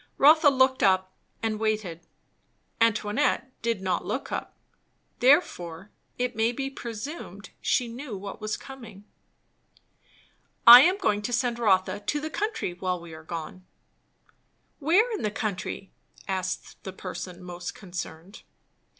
Rotha looked up and waited; Antoinette did not look up; therefore it may be presumed she knew what was coming. "I am going to send Rotha to the country while we are gone." "Where in the country?" asked the person most concerned.